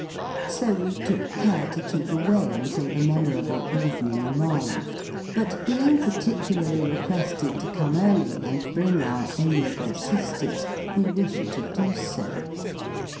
So we took care to keep away until the memorable evening arrived; but being particularly requested to come early, and bring our amiable sisters, we wished to do so.